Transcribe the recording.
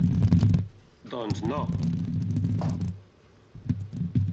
Doncs, no!